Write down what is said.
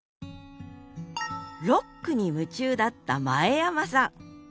ロックに夢中だった前山さん。